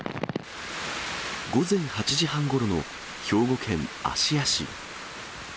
午前８時半ごろの兵庫県芦屋市。